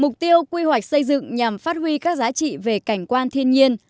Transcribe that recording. mục tiêu quy hoạch xây dựng nhằm phát huy các giá trị về cảnh quan thiên nhiên